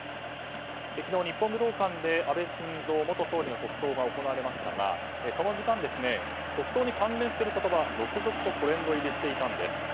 昨日、日本武道館で安倍晋三元総理の行われましたが、その時間国葬に関連する言葉が続々とトレンド入りしていたんです。